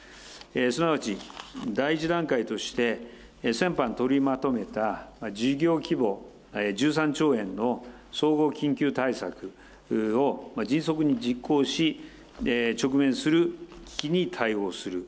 すなわち第１段階として、先般取りまとめた事業規模１３兆円の総合緊急対策を迅速に実行し、直面する危機に対応する。